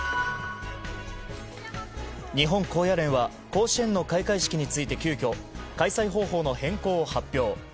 日本高野連は甲子園の開会式について急きょ開催方法の変更を発表。